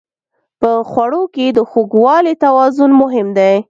په خوړو کې د خوږوالي توازن مهم دی.